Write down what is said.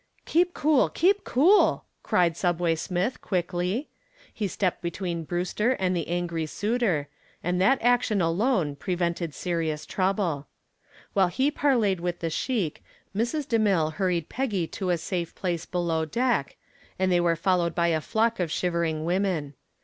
"Keep cool! Keep cool!" cried "Subway" Smith quickly. He stepped between Brewster and the angry suitor, and that action alone prevented serious trouble. While he parleyed with the sheik Mrs. DeMille hurried Peggy to a safe place below deck, and they were followed by a flock of shivering women.